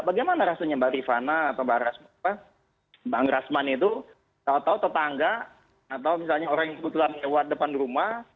bagaimana rasanya mbak rifana atau mbak rasman itu tau tau tetangga atau misalnya orang yang sebutlah mewat depan rumah